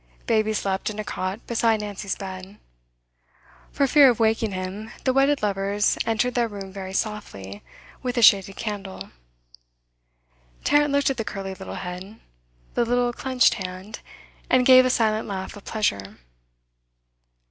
Baby slept in a cot beside Nancy's bed. For fear of waking him, the wedded lovers entered their room very softly, with a shaded candle. Tarrant looked at the curly little head, the little clenched hand, and gave a silent laugh of pleasure.